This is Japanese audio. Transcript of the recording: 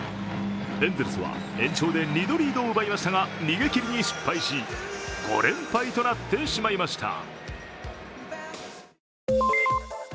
エンゼルスは延長で２度リードを奪いましたが逃げ切りに失敗し、５連敗となってしまいました。